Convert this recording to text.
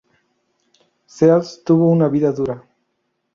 Seals tuvo una vida dura.